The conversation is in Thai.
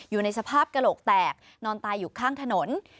อยู่ในสภาพกระโหลกแตกนอนตายอยู่ข้างถนน